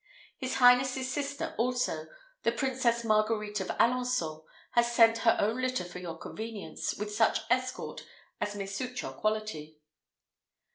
His highness's sister, also, the Princess Marguerite of Alençon, has sent her own litter for your convenience, with such escort as may suit your quality."